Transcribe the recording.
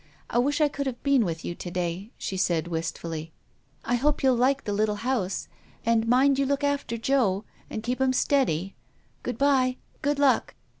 I wish I could have been with you to day," she said wistfully ;" I hope you'll like the little house; and mind you look after Joe, and keep him steady. Good bye, good luck